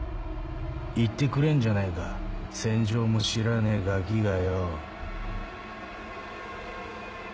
言ってくれんじゃねえか戦場も知らねえガキがよ。